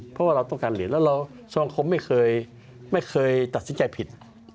เพราะว่าเราต้องการเหรียญแล้วเราสมาคมไม่เคยตัดสินใจผิด